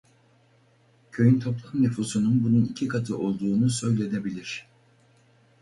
Köyün toplam nüfusunun bunun iki katı olduğunu söylenebilir.